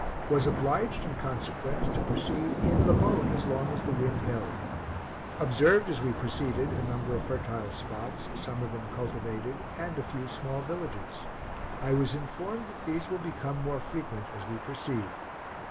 Was obliged, in consequence, to proceed in the boat as long as the wind held. Observed as we proceeded a number of fertile spots, some of them cultivated, and a few small villages. I was informed that these will become more frequent as we proceed.